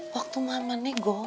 waktu mama nego